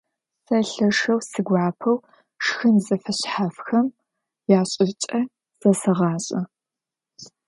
Сэ лъэшэу сигуапэу шхын зэфэшъхьафхэм яшӀыкӀэ зэсэгъашӀэ.